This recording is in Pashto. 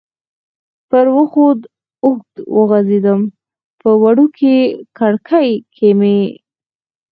پر وښو اوږد وغځېدم، په وړوکې کړکۍ کې مې.